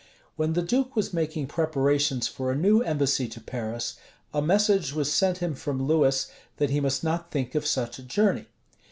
When the duke was making preparations for a new embassy to Paris, a message was sent him from Louis, that he must not think of such a journey.